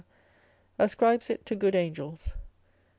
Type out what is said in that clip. ascribes it to good angels.